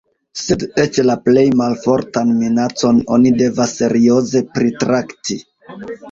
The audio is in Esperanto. Sed eĉ la plej malfortan minacon oni devas serioze pritrakti.